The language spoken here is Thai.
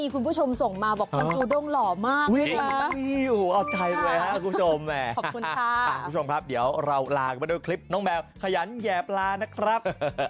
คุณผู้ชมครับเดี๋ยวเราลากันมาด้วยคลิปน้องแมวขยันแหยบลานะครับ